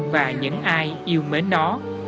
và những ai yêu mến nó